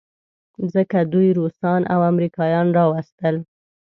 ځکه دوی روسان او امریکایان راوستل.